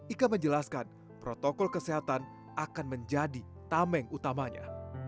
ika menjelaskan protokol kesehatan akan menjadi tameng utamanya